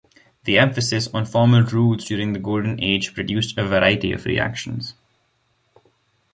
The emphasis on formal rules during the Golden Age produced a variety of reactions.